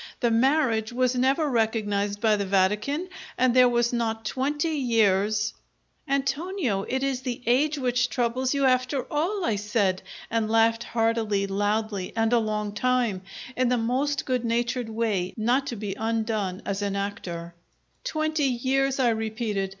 The marriage was never recognized by the Vatican, and there was not twenty years " "Antonio, it is the age which troubles you, after all!" I said, and laughed heartily, loudly, and a long time, in the most good natured way, not to be undone as an actor. "Twenty years," I repeated.